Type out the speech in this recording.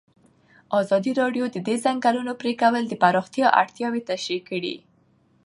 ازادي راډیو د د ځنګلونو پرېکول د پراختیا اړتیاوې تشریح کړي.